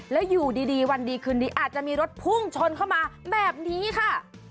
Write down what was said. แล้วอยู่ดีวันดีคืนนี้อาจจะมีรถพุ่งชนเข้ามาแบบนี้ค่ะ